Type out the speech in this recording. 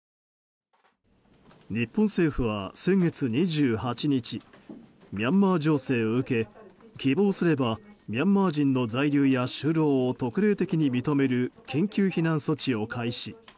日本政府は先月２８日ミャンマー情勢を受け希望すればミャンマー人の在留や就労を特例的に認める緊急避難措置を開始。